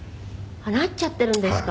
「なっちゃっているんですか。